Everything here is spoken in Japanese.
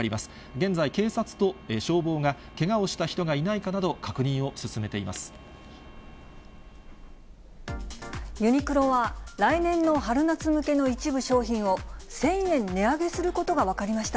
現在、警察と消防がけがをした人がいないかなど、ユニクロは、来年の春夏向けの一部商品を、１０００円値上げすることが分かりました。